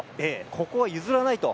ここは譲らないと。